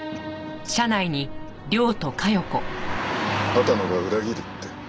畑野が裏切るって？